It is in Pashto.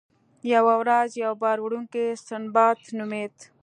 یوه ورځ یو بار وړونکی سنباد نومیده.